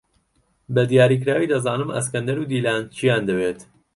بەدیاریکراوی دەزانم ئەسکەندەر و دیلان چییان دەوێت.